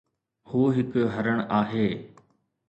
هو هڪ هرڻ آهي